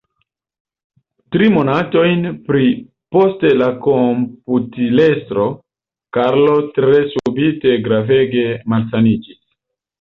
Tri monatojn pri poste la komputilestro Karlo tre subite gravege malsaniĝis.